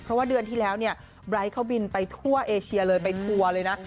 เพราะว่าเดือนที่แล้วเนี่ยไบร์ทเขาบินไปทั่วเอเชียเลยไปทัวร์เลยนะ